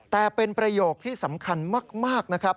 แต่เป็นประโยคที่สำคัญมากนะครับ